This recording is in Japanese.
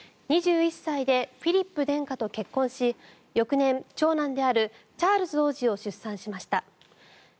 ２１歳でフィリップ殿下と結婚し翌年、長男であるチャールズ王子を出産しました。